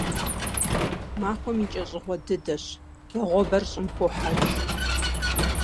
Махуэм и кӀэщӀыгъуэ дыдэщ, Вагъуэбэр щӀым хохьэж.